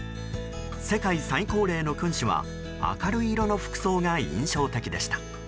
世界最高齢の君主は明るい色の服装が印象的でした。